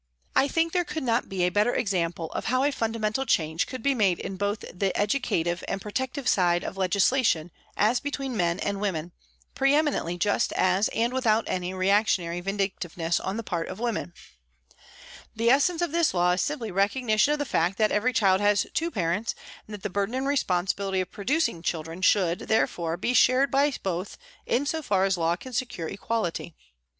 I think there could not be a better example of how a fundamental change could be made in both the educative and protective side of legislation as between men and women, pre eminently just and without any reactionary vindic tiveness on the part of women. The essence of this SOME TYPES OF PRISONERS 127 law is simply recognition of the fact that every child has two parents and that the burden and responsi bility of producing children should, therefore, be shared by both in so far as law can secure equality.